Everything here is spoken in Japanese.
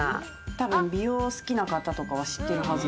たぶん美容好きな方とか知ってるはず。